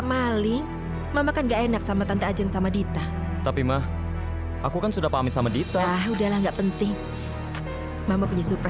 sampai jumpa di video selanjutnya